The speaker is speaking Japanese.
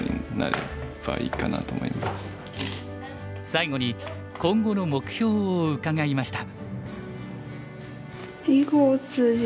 最後に今後の目標を伺いました。